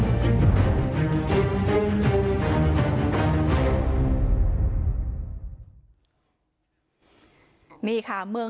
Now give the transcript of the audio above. นี้ค่ะเวลาถ้าอาณญาติได้บุญให้ขึ้น๑เส้น